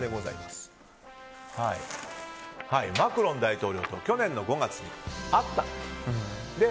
マクロン大統領と去年の５月に会ったんです。